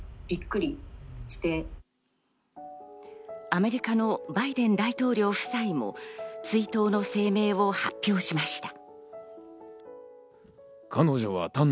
アメリカのバイデン大統領夫妻も追悼の声明を発表しました。